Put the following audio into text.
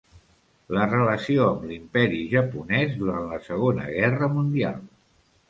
La relació amb l'imperi japonès durant la Segona Guerra Mundial.